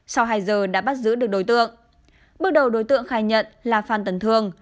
sau hai giờ đã bắt giữ được đối tượng bước đầu đối tượng khai nhận là phan tấn thương